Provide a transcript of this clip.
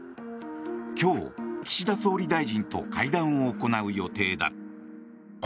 今日、岸田総理大臣と会談を行う予定だ。